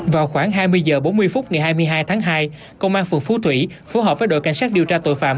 vào khoảng hai mươi h bốn mươi phút ngày hai mươi hai tháng hai công an phường phú thủy phù hợp với đội cảnh sát điều tra tội phạm